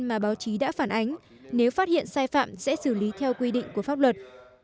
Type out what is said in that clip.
mà báo chí đã phản ánh nếu phát hiện sai phạm sẽ xử lý theo quy định của pháp luật